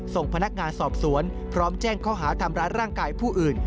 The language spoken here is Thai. ส่งพนักงานสอบสวนพร้อมแจ้งข้อหาทำร้ายร่างกายผู้อื่น